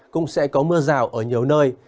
cũng sẽ có mưa rào ở nhiều nơi